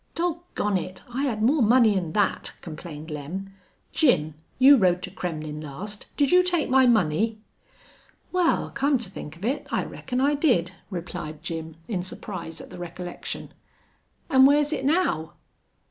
"Dog gone it! I hed more money 'n thet," complained Lem. "Jim, you rode to Kremmlin' last. Did you take my money?" "Wal, come to think of it, I reckon I did," replied Jim, in surprise at the recollection. "An' whar's it now?"